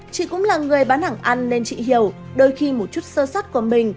chị cũng là người bán hàng ăn nên chị hiểu đôi khi một chút sơ sắt của mình